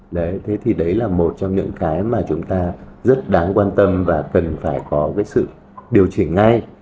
đấy thế thì đấy là một trong những cái mà chúng ta rất đáng quan tâm và cần phải có cái sự điều chỉnh ngay